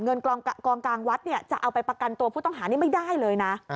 เงินกองกลางวัดเนี่ยจะเอาไปประกันตัวผู้ต้องหานี่ไม่ได้เลยนะ